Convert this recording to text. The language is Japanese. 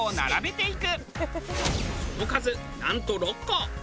その数なんと６個！